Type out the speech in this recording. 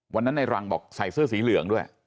วันนั้นในรังบอกใส่เสื้อสีเหลืองด้วย